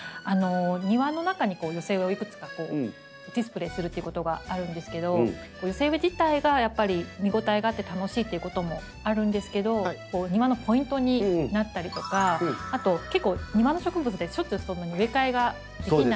庭の中に寄せ植えをいくつかディスプレーするっていうことがあるんですけど寄せ植え自体がやっぱり見応えがあって楽しいっていうこともあるんですけど庭のポイントになったりとかあと結構庭の植物ってしょっちゅうそんなに植え替えができない。